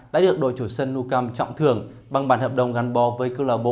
đã được đội chủ sân nucam trọng thưởng bằng bản hợp đồng gắn bò với club